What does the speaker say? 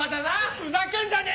ふざけんじゃねえよ！